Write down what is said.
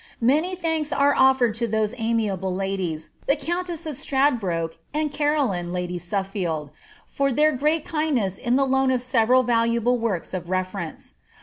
Many thanks are offered lo those amiable ladies, the countess of Stradbroke and Caroline lady Suffield, for their great kindness in the loan of several valuable works of reference.